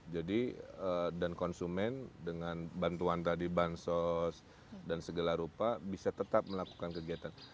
jadi dan konsumen dengan bantuan tadi bansos dan segala rupa bisa tetap melakukan kegiatan